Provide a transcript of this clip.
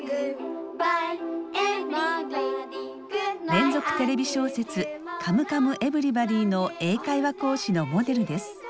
連続テレビ小説「カムカムエヴリバディ」の英会話講師のモデルです。